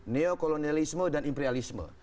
neo kolonialisme dan imperialisme